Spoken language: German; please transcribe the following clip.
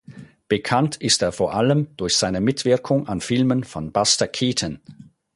Bekannt ist er vor allem durch seine Mitwirkung an Filmen von Buster Keaton.